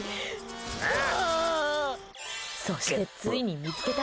そして、ついに見つけた。